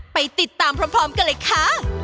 ไปติดตามพร้อมกันเลยค่ะ